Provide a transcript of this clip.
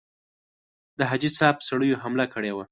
د حاجي صاحب سړیو حمله کړې وه.